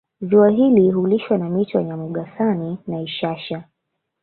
Ziwa hili hulishwa na mito ya Nyamugasani na Ishasha